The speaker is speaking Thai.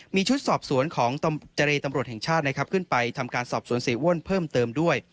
มีชุดสอบสวนของเจรตำรวจแห่งชาตินะครับขึ้นไปทำการสอบสวนเสียอ้วนเพิ่มเติมด้วย